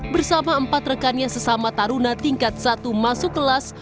bersama empat rekannya sesama taruna tingkat satu masuk kelas